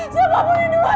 siapapun di luar